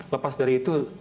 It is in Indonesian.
lepas dari itu